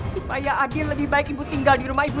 supaya adil lebih baik ibu tinggal di rumah ibu